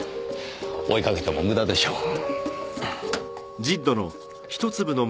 追いかけても無駄でしょう。